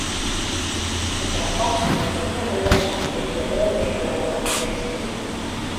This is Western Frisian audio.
It rapport soe om ien oere fan 'e middei oanbean wurde oan de presidint.